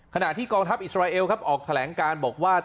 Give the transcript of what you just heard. ขณะที่กองทัพอิสราเอลครับออกแถลงการบอกว่า